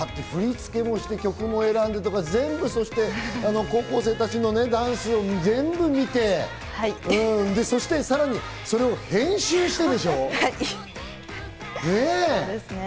振り付けもして、曲も選んで全部、高校生たちのダンスを全部見て、そしてさらに、それを編集はい、そうですね。